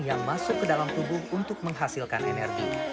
yang masuk ke dalam tubuh untuk menghasilkan energi